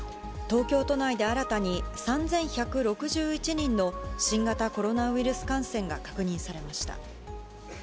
東京都内で新たに３１６１人の新型コロナウイルス感染が確認されました。